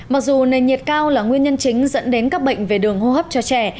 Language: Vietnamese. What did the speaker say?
mặc dù nền nhiệt cao là nguyên nhân chính dẫn đến các bệnh về đường hô hấp cho trẻ